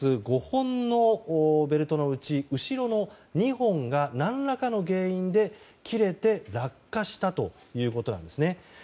５本のベルトのうち後ろの２本が何らかの原因で切れて落下したということなんです。